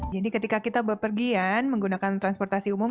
jadi ketika kita berpergian menggunakan transportasi umum